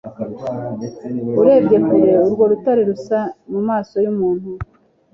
Urebye kure urwo rutare rusa mumaso yumuntu